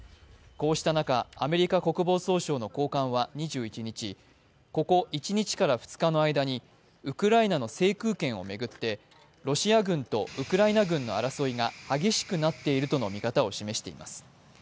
こうした中、アメリカ国防総省の高官は２１日ここ１日から２日の間にウクライナの制空権を巡ってロシア軍とウクライナ軍の争いが激しくなっているとの見方を示しています。